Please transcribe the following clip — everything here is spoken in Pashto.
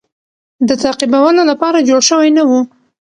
د تعقیبولو لپاره جوړ شوی نه وو.